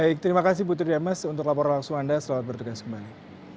baik terima kasih bu tri demes untuk laporan langsung anda setelah berdegas kembali